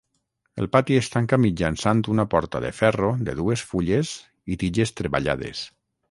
El pati es tanca mitjançant una porta de ferro de dues fulles i tiges treballades.